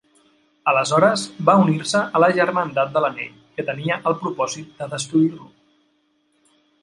Aleshores va unir-se a la Germandat de l'Anell, que tenia el propòsit de destruir-lo.